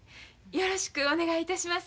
よろしくお願いします。